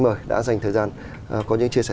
mời đã dành thời gian có những chia sẻ